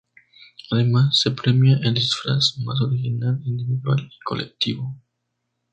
Además, se premia el disfraz más original individual y colectivo.